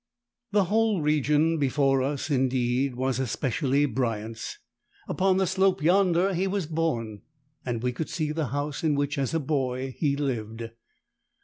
The whole region before us, indeed, was especially Bryant's. Upon the slope yonder he was born, and we could see the house in which as a boy he lived.